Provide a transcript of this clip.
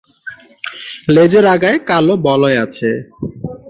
লেজের আগায় কালো বলয় আছে।